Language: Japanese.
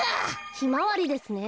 ひまわりですね。